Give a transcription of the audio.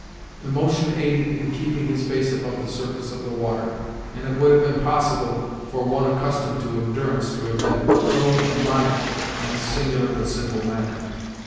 The motion aided in keeping his face above the surface of the water, and it would have been possible for one accustomed to endurance to have been towed a mile in this singular but simple manner.